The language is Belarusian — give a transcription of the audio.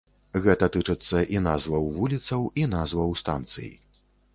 Гэта тычыцца і назваў вуліцаў, і назваў станцый.